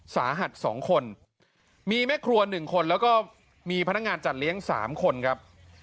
สาหัส๒คนมีแม่ครัว๑คนแล้วก็มีพนักงานจัดเลี้ยง๓คนครับ